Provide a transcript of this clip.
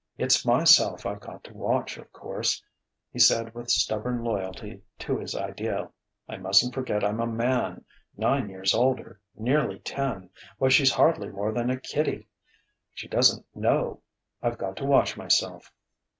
It's myself I've got to watch, of course," he said with stubborn loyalty to his ideal. "I mustn't forget I'm a man nine years older nearly ten.... Why, she's hardly more than a kiddie.... She doesn't know.... I've got to watch myself...."